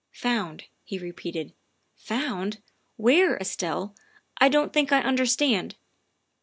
"Found," he repeated, "found? Where, Estelle? I don 't think I understand.